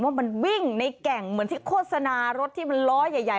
ว่ามันวิ่งในแก่งเหมือนที่โฆษณารถที่มันล้อใหญ่